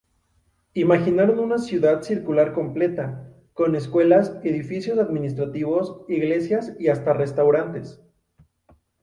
Imaginaron una ciudad circular completa con escuelas, edificios administrativos, iglesias y hasta restaurantes.